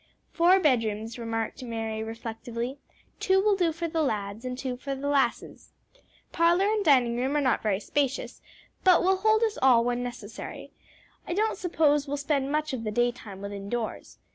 "Four bedrooms," remarked Mary reflectively: "two will do for the lads and two for the lasses. Parlor and dining room are not very spacious, but will hold us all when necessary; I don't suppose we'll spend much of the daytime within doors.